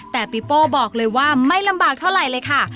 แต่ปีโป้บอกเลยว่าไม่ลำบากเท่าไหร่เลยค่ะ